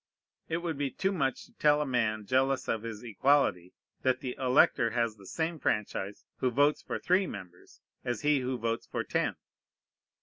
It would be too much to tell a man jealous of his equality, that the elector has the same franchise who votes for three members as he who votes for ten.